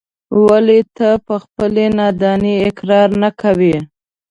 ولې ته په خپلې نادانۍ اقرار نه کوې.